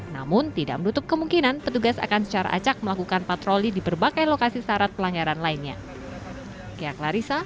namun tidak menutup kemungkinan petugas akan secara acak melakukan patroli di berbagai lokasi syarat pelanggaran lainnya